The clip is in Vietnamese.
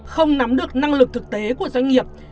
không nắm được năng lực thực tế của doanh nghiệp